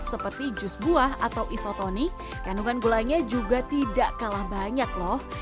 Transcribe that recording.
seperti jus buah atau isotonik kandungan gulanya juga tidak kalah banyak loh